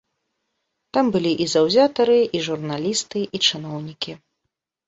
Там былі і заўзятары, і журналісты, і чыноўнікі.